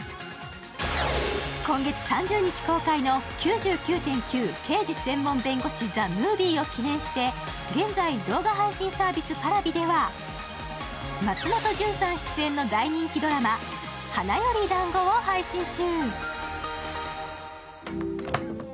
今月３０日公開の「９９．９−刑事専門弁護士−ＴＨＥＭＯＶＩＥ」を記念して記念して現在、動画配信サービスＰａｒａｖｉでは、松本潤さん主演の大人気ドラマ「花より男子」を配信中。